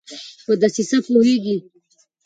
په دسیسه پوهیږي